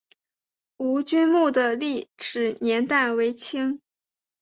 吴郡墓的历史年代为清。